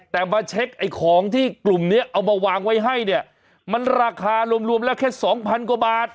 แต่มาเช็คไอ้ของที่กลุ่มนี้เอามาวางไว้ให้เนี่ยมันราคารวมแล้วแค่สองพันกว่าบาท